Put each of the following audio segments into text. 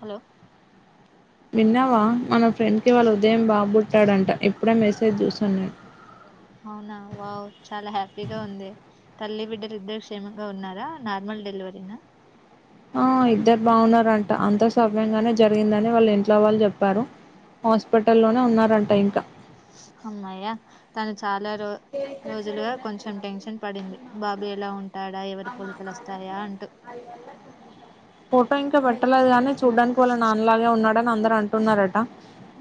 Hello విన్నావా మన friend కి ఇవాళ ఉదయం బాబుబుట్టాడంట అవునా వావ్ చాలా హ్యాపీగా ఉంది తల్లి బిడ్డలు ఇద్దరు క్షేమంగా ఉన్నారా నార్మల్ డెలివరీనా ఆ ఇద్దరు బాగున్నారంట అంత సమ్యంగానే జరిగిందని వాళ్ళు ఇంట్లో వాళ్ళు చెప్పారు హాస్పిటల్లోనే ఉన్నారంట ఇంకా హమ్మయ తను చాలా రో రోజులుగా కొంచెం టెన్షన్ పడింది బాబా ఎలా ఉం అమ అలా అ ఫోటో ఇంకా పెట్టలేదు గానీ చూడ్డానికి వాళ్ళ నాన్నలాగే ఉన్నాడని అందరుూ అంటున్నారట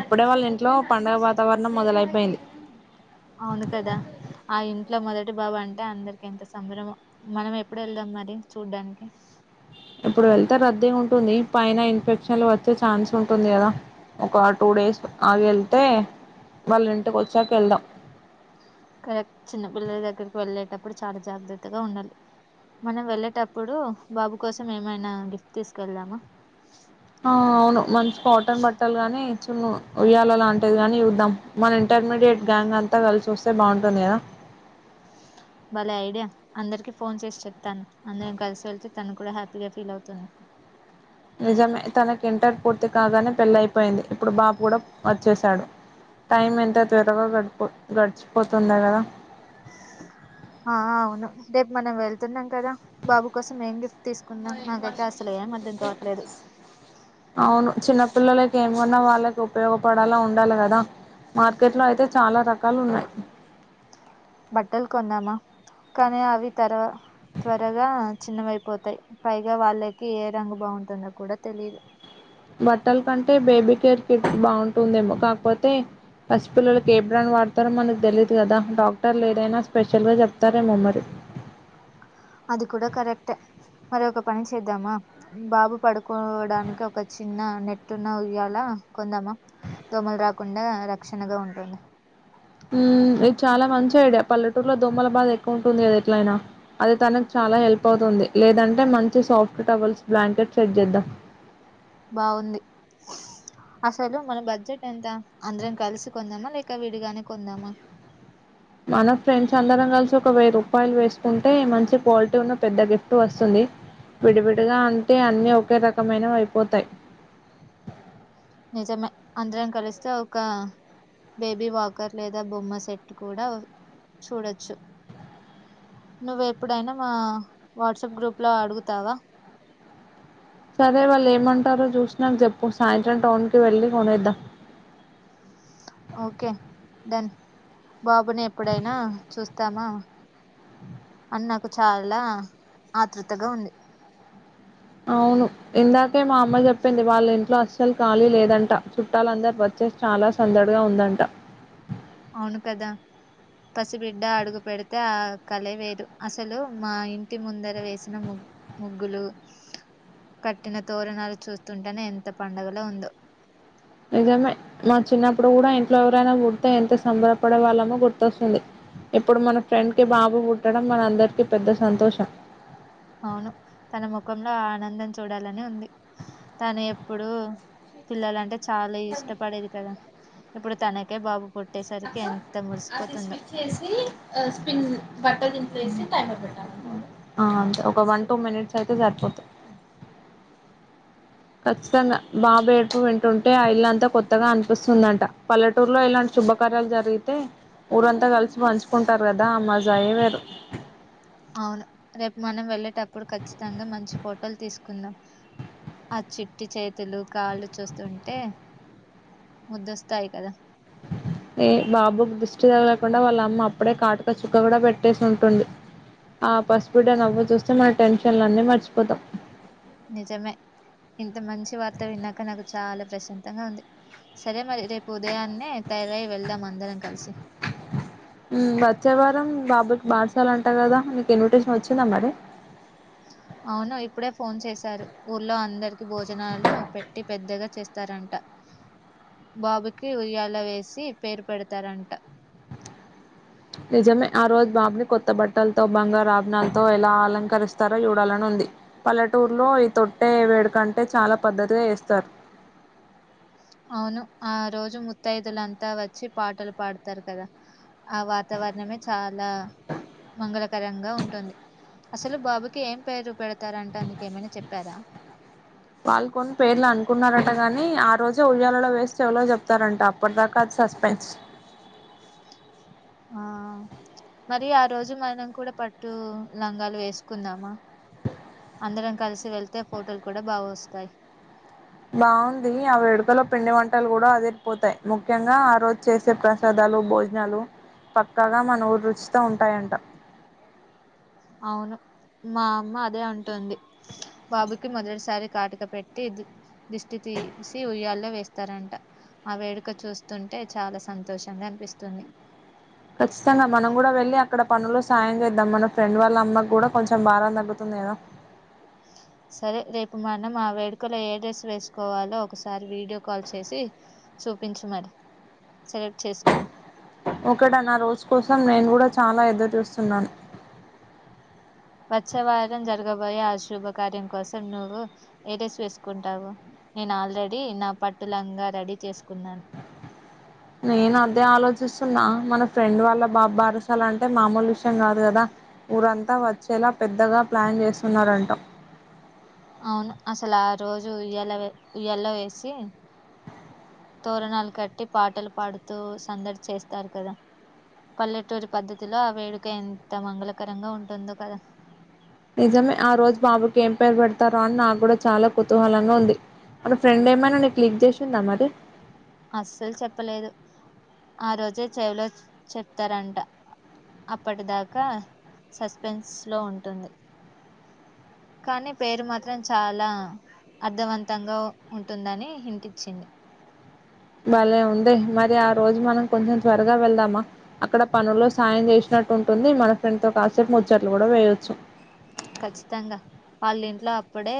అప్పుడే వాళ్ళ ఇంట్లో పండుగ వాతావరణం మొదలైపోయింది అవును కదా ఆ ఇ ఇట్లా మొదటి బాబు అంటే అందరికి ఎంత సంభరమో మనం ఎప్పుడు వెళ్దాం మరి చూడ్డానికి ఇప్పుడు వెళ్తే రద్దీ ఉంటుంది పైన ఇన్ఫెక్షన్లు వచ్చే ఛాన్స్ ఉంటుంది కదా ఒక టూ డేస్ ఆగి వెళ్తే వాళ్ళు ఇంటికి వచ్చాక వెళ్దాం అప్పుడు చాలా జాగ్రత్తగా ఉండాలి మనం వెళ్ళేటప్పుడు బాబు కోసం ఏమైనా గిఫ్ట్ తీసుకెళ్దామా ఆ అవును మంచి కాటన్ బట్టలు గాని చిన్న ఉయ్యాల అలాంటిది కానీ చూద్దాం మన ఇంటర్మీడియట్ గ్యాంగ్ అంతా కలిసి వస్తే బావుంటుంది కదా భలే ఐడియా అందరికి ఫోన్ చేసి చెప్తాను అందరం కలిసి వెళ్తే తను కూడా హ్యాపీగా ఫీల్ అవుతుంది నిజమే తనకి ఇంటర్ పూర్తి కాగానే పెళ్ళయిపోయింది ఇప్పుడు బాబు కూడా వచ్చసాడు టైం ఎంత త్వరగా గడిపో గడిచిపోతుందో కదా ఆ అవును రేపు మనం వెళ్తున్నాం కదా బాబు కోసం ఏం గిఫ్ట్ తీసుకుందాం నాకైతే అసలు ఏం అర్థం కావట్లేదు ఏం కొన్నా వాళ్ళకి ఉపయోగపడాల ఉండాలి కదా మార్కెట్ లో అయితే చాలా రకాలు ఉన్నాయి బట్టలు కొందామా కానీ అవి తర్వా త్వరగా చిన్నవైపోతాయి పైగా వాళ్ళకి ఏ రంగు బావుంటుందో కూడా తెలియదు బట్టల కంటే బేబీ కేర్ కిట్ బావుంటుందేమో కాకపోతే పసిపిల్లలకి ఏబ్రాండ్ వాడతారో మనకు తెలీయదు కదా డాక్టర్లు ఏదైనా స్పెషల్గా చెప్తారేమో మరి అది కూడా కరెక్టే మరి ఒక పని చేద్దామా బాబు పడుకోవడానికి ఒక చిన్న నెట్టున్న ఉయ్యాల కొందామా దోమలు రాకుండా రక్షణగా ఉంటుంది మ్... ఇది చాలా మంచి ఐడియా పల్లెటూరులో దోమలబాద ఎక్కువ ఉంటుంది గద ఎట్లయినా అది తనకు చాలా హెల్ప్ అవుతుంది లేదంటే మంచి సాఫ్ట్ టవల్స్ బ్లాంకెట్ సెట్ చేద్దాం బావుంది అసలు మన బడ్జెట్ ఎంత అందరం కలిసి కొందామా లేక విడిగానే కొందామా మన ఫ్రెండ్స్ అందరం కలిసి ఒక వెయ్యి రూపాయలు వేసుకుంటే మంచి క్వాలిటీ ఉన్న పెద్ద గిఫ్ట్ వస్తుంది విడివిడిగా అంటే అన్ని ఒకే రకమైనవి అయిపోతాయి నిజమే అందరం కలిస్తే ఒక బేబీ వాకర్ లేదా బొమ్మ సెట్ కూడా చూడొచ్చు నువ్వెప్పుడైనా మా వాట్సాప్ గ్రూప్ లో అడుగుతావా సరే వాళ్ళు ఏమంటారో చూసినక చెప్పు సాయంత్రం టౌన్ కి వెళ్ళి కొనేద్దాం ఓకే డన్ బాబుని ఎప్పుడైనా చూస్తామా అని నాకు చాలా ఆతృతగా ఉంది అవును ఇందాకే మా అమ్మ చెప్పింది వాళ్ళ ఇంట్లో అస్సలు ఖాళీ లేదంట చుట్టాలందరు వచ్చేసి చాలా సందడిగా ఉందంట అవును కదా పసిబిడ్డ అడుగు పెడితే ఆ కళ వేరు అసలు మా ఇంటి ముందర వేసిన ముగ్గు ముగ్గులు కట్టిన తోరణాలు చూస్తుంటేనే ఎంత పండగలా ఉందో నిజమే మా చిన్నప్పుడు కూడా ఇంట్లో ఎవరైనా పుడితే ఎంత సంబరపడే వాళ్ళమో గుర్తొస్తుంది ఇప్పుడు మన ఫ్రెండ్ కి బాబు పుట్టడం మన అందరికి పెద్ద సంతోషం అవును తన ముఖంలో ఆనందం చూడాలని ఉంది తను ఎప్పుడూ పిల్లలంటే చాలా ఇష్టపడేది కదా ఇప్పుడు తనకే బాబు పుట్ అ అది స్విచ్ చేసి స్పిన్ బట్ట తి అంతే ఒక వన్ టూ మినిట్స్ అయితే సరిపోతాయి ఖచ్చితంగా బాబేడుపు వింటుంటే ఆ ఇల్లంతా కొత్తగా అనిపిస్తుందంట పల్లెటూరులో ఇలాంటి శుభకార్యాలు జరిగితే ఊరంతా కలిసి పంచుకుంటారు కదా అ మ్మాజాయే వేరు అవును రేపు మనం వెళ్ళేటప్పుడు ఖచ్చితంగా మంచి ఫోటోలు తీసుకుందాం ఆ చిట్టి చేతులు కాళ్ళు చూస్తుంటే ముద్దొస్తాయి కదా బాబుకు దిష్టి తగలకుండా వాళ్ళ అమ్మ అప్పుడే కాటుక చుక్క కూడా పెట్టేసి ఉంటుంది ఆ పసిబిడ్డ నువ్వు చూస్తే మన టెన్షన్లన్ని మర్చిపోతాం నిజమే ఇంత మంచి వార్త విన్నాక నాకు చాలా ప్రశాంతంగా ఉంది సరే మరి రేపు ఉదయాన్నే తయారై వెళ్దాం అందరం కలిసి మ్ వచ్చే వారం బాబుకి బారశాల అంట కదా మీకు ఇన్విటేషన్ వచ్చిందా మరి అవును ఇప్పుడే ఫోన్ చేశారు ఊళ్లో అందరికి భోజనాలు పెట్టి పెద్దగా చేస్తారంట బాబుకి ఉయ్యాల వేసి పేరు పెడతారంట నిజమే ఆ రోజు బాబుని కొత్త బట్టలతో బంగారు ఆభరణాలతో ఎలా అలంకరిస్తారో చూడాలని ఉంది పల్లెటూరులో ఈ తొట్టే వేడుకంటే చాలా పద్ధతిగా వేస్తారు అవును ఆ రోజు ముత్తైదులంతా వచ్చి పాటలు పాడతారు కదా ఆ వాతావరణమే చాలా మంగళకరంగా ఉంటుంది అసలు బాబుకి ఏం పేరు పెడతారంటా నీకేమైనా చెప్పారా వాళ్ళు కొని పేర్లు అనుకున్నారంట గాని ఆ రోజే ఉయ్యాలలో వేసి చెవిలో చెప్తారంట అప్పటి దాకా అది సస్పెన్స్ ఆ మరి ఆ రోజు మనం కూడా పట్టు లంగాలు వేసుకుందామా అందరం కలిసి వెళ్తే ఫోటోలు కూడా బా వస్తాయి బావుందీ ఆ వేడుకలో పిండి వంటలు కూడా అదిరిపోతాయి ముఖ్యంగా ఆ రోజు చేసే ప్రసాదాలు భోజనాలు పక్కాగా మన ఊరు రుచితో ఉంటాయంట అవును మా అమ్మ అదే అంటుంది బాబుకి మొదటిసారి కాటక పెట్టి ద దిష్టి తీసి ఉయ్యాల్లో వేస్తారంట ఆ వేడుక చూస్తుంటే చాలా సంతోషంగా అనిపిస్తుంది ఖచ్చితంగా మనం కూడా వెళ్ళి అక్కడ పనుల్లొ సాయం చేద్దాం మన ఫ్రెండ్ వాళ్ళ అమ్మకు కూడా కొంచెం బారం తగ్గుతుంది కదా సరే రేపు మనం ఆ వేడుకలో ఏ డ్రెస్ వేసుకోవాలో ఒకసారి వీడియో కాల్ చేసి చూపించు మరి సెలెక్ట్ చేసుకుందాం ఒకే డన్ ఆ రోజు కోసం నేను కూడా చాలా ఎదురు చూస్తున్నాను వచ్చె వారం జరగబోయే ఆ శుభ కార్యం కోసం నువ్వు ఏడ్రెస్ వేసుకుంటావు నేను ఆల్రెడీ నా పట్టులంగా రెడీ చేసుకున్నాను నేను అదే ఆలోచిస్తున్నా మన ఫ్రెండ్ వాళ్ళ బాబ్ బారసాల అంటే మామూలు విషయం కాదు కదా ఊరంతా వచ్చేలా పెద్దగా ప్లాన్ చేస్తున్నారంట అవును అసలు ఆ రోజు ఉయ్యాల ఉయ్యల్లొ వేసి తోరణాలు కట్టి పాటలు పాడుతూ సందడి చేస్తారు కదా పల్లెటూరి పద్ధతిలో ఆ వేడుక ఎంత మంగళకరంగా ఉంటుందో కదా నిజమే ఆ రోజు బాబుకి ఏం పేరు పెడతారో అని నాకు కూడా చాలా కుతూహలంగా ఉంది మన ఫ్రెండ్ ఏమైనా నీకు లీక్ చేసిందా మరి అస్సల్ చెప్పలేదు. ఆ రోజే చెవిలో చెప్తరంట అప్పటిదాకా సస్పెన్స్ లో ఉంటుంది. కానీ పేరు మాత్రం చాలా అర్థవంతంగా ఉంటుందని హింటిచ్చింది. భలే ఉందే మరి ఆ రోజు మనం కొంచెం త్వరగా వెళ్దామా, అక్కడ పనుల్లో సాయం చేసినట్టు ఉంటుంది, మన ఫ్రెండ్తో కాసేపు ముచ్చట్లు కూడా వెయోచ్చు. ఖచ్చితంగా వాళ్ళ ఇంట్లో అప్పుడే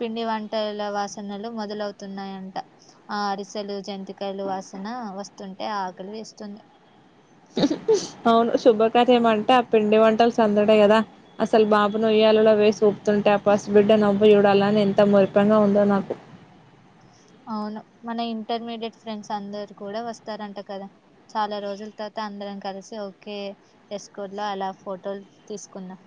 పిండి వంటల వాసనలు మొదలవుతున్నాయంట. ఆ అరిసెలు జంతికాయలు వాసన వస్తుంటే, ఆ ఆకలి వేస్తుంది. అవును శుభకార్యమంటే ఆ పిండి వంటలు సందడే కదా! అసలు బాబును ఉయ్యాలలో వేసి ఊపుతుంటే, ఆ పసు బిడ్డ నవ్వు చూడాలని ఎంత మురిపంగా ఉందో నాకు. అవును మన ఇంటర్మీడియట్ ఫ్రెండ్స్ అందరు కూడా వస్తారంట కదా. చాలా రోజుల తర్వాత అందరం కలిసి ఓకేె డ్రెస్ కోడ్లో అలా ఫోటోలు తీసుకుందం.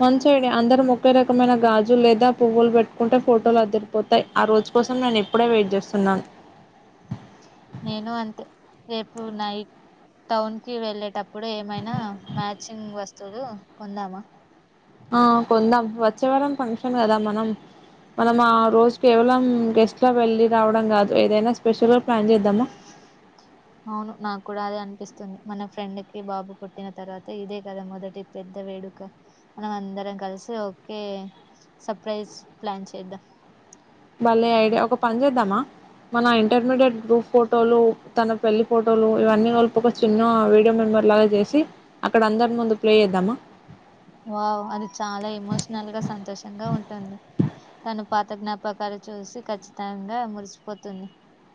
మంచి ఐడియా అందరం ఒకే రకమైన గాజులు లేదా పువ్వులు పెట్టుకుంటే ఫోటోలు అదిరిపోతాయి. ఆ రోజు కోసం నేను ఇప్పుడే వెయిట్ చేస్తున్నాను. నేను అంతే రేపు నైట్ టౌన్ కి వెళ్ళేటప్పుడు ఏమైనా మ్యాచింగ్ వస్తువులు కొందామా? ఆ కొందాం వచ్చేవారం ఫంక్షన్ కదా మనం, మనం ఆ రోజు కేవలం గెస్ట్ లా వెళ్ళి రావడం గాదు ఏదైనా స్పెషల్గా అవును నాకు కూడా అదే అనిపిస్తుం ది మన ఫ్రెండ్ కి బాబు పుట్టిన తర్వాత ఇదే కదా మొదటి పెద్ద వేడుక. మనం అందరం కలిసి ఓకే సర్ప్రైజ్ ప్లాన్ చేద్దాం. బలే ఐడియా. ఒక పని చేద్దామా మన ఇంటర్మడియట్ గ్రూప్ ఫోటోలు తన పెళ్లి ఫోటోలు ఇవన్నీ కల్పి ఒక చిన్న వీడియో మెమొరీ లాగా చేసి, అక్కడ అందరి ముందు ప్లే చేద్దామా వావ్ అది చాలా ఎమోషనల్ గా సంతోషంగా ఉంటుంది. తను పాత జ్ఞాపకాలు చూసి ఖచ్చితంగా మురిసిపోతుంది.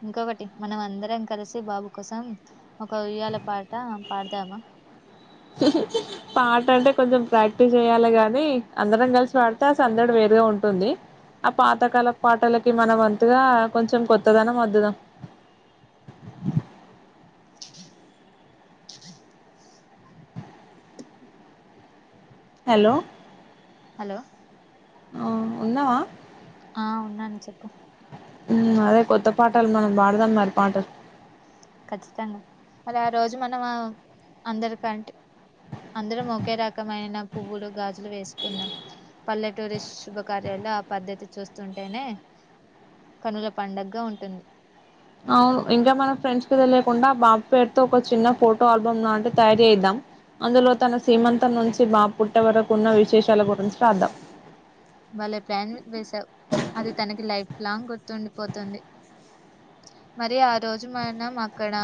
ఇంకొకటి మనం అందరం కలిసి బాబు కోసం ఒక ఇయ్యాల పాట పాడదామా? పాట అంటే కొంచెం ప్రాక్టీస్ చేయాలే గానీ, అందరం కలిసి పాడితే అసందడి వేరే ఉంటుంది. ఆ పాతకాల పాటలకి మన వంతుగా కొంచెం కొత్తదనం అద్దుదం. హలో హలో ఆ ఉన్నవా? ఆ ఉన్నాను చెప్పు. మ్ అదే కొత్త పాటలు మనం పాడుదాం మరి పాటలు. ఖచ్చితంగా మరి ఆ రోజు మనం అందరికంటే అందరం ఒకే రకమైన పువ్వులు, గాజులు వేసుకుందాం. పల్లెటూరిస్ శుభకార్యాల్లో ఆ పద్ధతి చూస్తుంటేనే కనుల పండగ్గా ఉంటుంది. అవును ఇంకా మనం ఫ్రెండ్స్ కి తెలియకుండా బాబు పేరుతో ఒక చిన్న ఫోటో ఆల్బమ్ లాంటిది తయారూ చేయిద్దం. అందులో తన సీమంతం నుంచి బాబు పుట్టే వరకు ఉన్న విశేషాల గురించి రాద్దాం. బలే ప్లాన్ వేసావు. అది తనకి లైఫ్ లాంగ్ గుర్తుండిపోతుంది. మరి ఆ రోజు మనం అక్కడా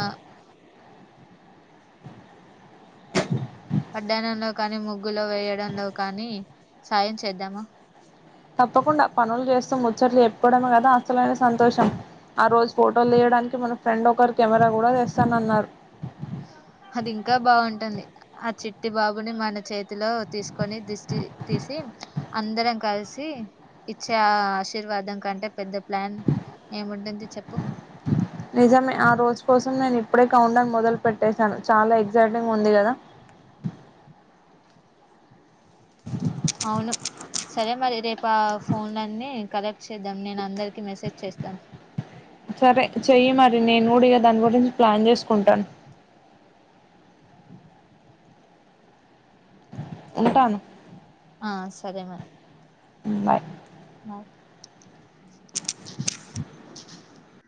వడ్డానంలో కానీ, ముగ్గులు వేయ్యడంలో కానీ, సాయం చేద్దామా! తప్పకుండా పనులు చేస్తు ముచ్చట్లు చెప్పుకోవడమే కదా అసలైన సంతోషం. ఆ రోజు ఫోటోలు తియడానికి మన ఫ్రెండ్ ఒకరు కెమెరా కూడా తెస్తానన్నారు. అది ఇంకా బాగుంటుంది ఆ చిట్టి బాబుని మన చే తిలో తీసుకొని దిష్టి తీసి, అందరం కలిసి ఇచ్చే ఆశీర్వాదం కంటే పెద్ద ప్లాన్ ఏముంటుంది. చెప్పు. నిజమే ఆ రోజు కోసం నేను ఇప్పుడే కౌంట్ డౌన్ మొదలు పెట్టేశాను, చాలా ఎక్సైటింగ్ ఉంది కదా. అ [unintelligible] అవును సరే మరి రేపు ఆ ఫోన్ లన్ని కలెక్ట్ చేద్దాం, నేను అందరికీ మెసేజ్ చేస్తాను. సరే చెయ్యి మరి నేను కూడ ఇగా దాని గురించి ప్లాన్ చేసుకుంటను. ఉంటాను. ఆ సరే మరి. మ్ బాయ్ బాయ్ [inaudible]